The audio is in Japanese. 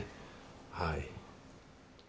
はい。